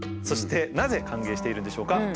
そしてなぜ歓迎しているんでしょうか。